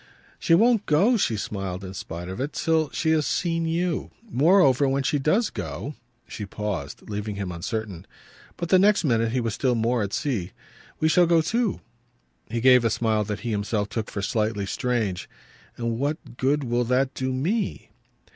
"She won't go," she smiled in spite of it, "till she has seen you. Moreover, when she does go " She paused, leaving him uncertain. But the next minute he was still more at sea. "We shall go too." He gave a smile that he himself took for slightly strange. "And what good will that do ME?"